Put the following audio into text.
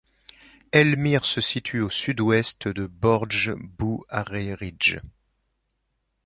El M'hir se situe au sud-ouest de Bordj-Bou-Arreridj.